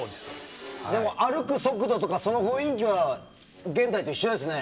でも、歩く速度とか雰囲気は現代と一緒ですね。